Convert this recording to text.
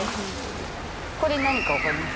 これ何か分かります？